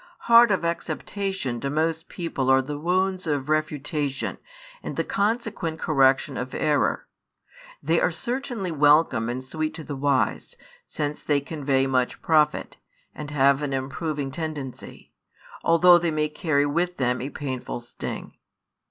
Hard of acceptation to most people are the wounds of refutation, and the consequent correction of error. They are certainly welcome and sweet to the wise, since they convey much profit, and have an improving tendency, although they may carry with them a painful sting.